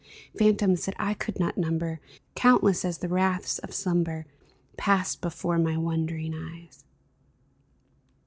Phantoms that I could not number, Countless as the wraiths of slumber, Passed before my wondering eyes